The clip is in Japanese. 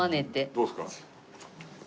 どうですか？